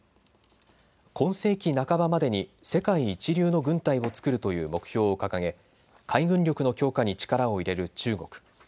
今世紀半ばまでに世界一流の軍隊を作るという目標を掲げ海軍力の強化に力を入れる中国。